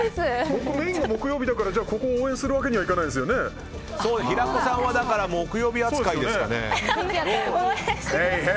僕メインが木曜日だからここを応援するわけには平子さんは木曜日扱いですかね。